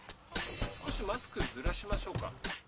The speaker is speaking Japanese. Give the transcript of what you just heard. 少しマスクずらしましょうか。